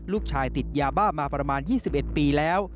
ลูกชายติดยาบ้ามาประมาณ๒๑ปีแล้ว